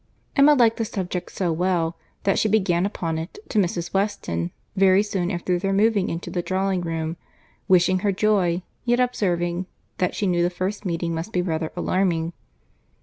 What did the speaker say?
Emma liked the subject so well, that she began upon it, to Mrs. Weston, very soon after their moving into the drawing room: wishing her joy—yet observing, that she knew the first meeting must be rather alarming.